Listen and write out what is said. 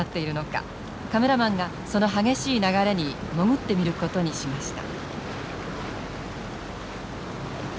カメラマンがその激しい流れに潜ってみることにしました。